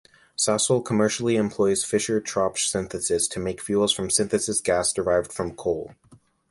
Sasol commercially employs Fischer-Tropsch synthesis to make fuels from synthesis gas derived from coal.